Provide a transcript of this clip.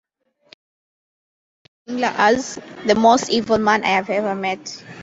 He later described Himmler as "the most evil man I have ever met".